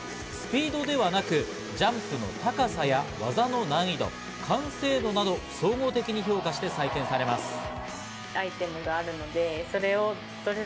スピードではなくジャンプの高さや技の難易度、完成度などを総合的に評価して採点されます。